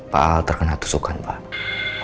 pak al terkena tusukan pak